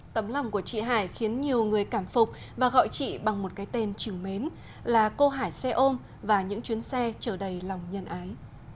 tấm lòng của chị hải khiến nhiều người cảm phục và gọi chị bằng một cái tên trừng mến là cô hải xe ôm và những chuyến xe trở đầy lòng nhân ái